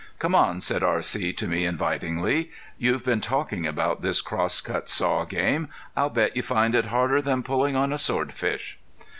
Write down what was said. "Come on," said R.C. to me, invitingly. "You've been talking about this crosscut saw game. I'll bet you find it harder than pulling on a swordfish."